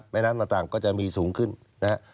แม่น้ำต่างก็จะมีสูงขึ้นนะฮะ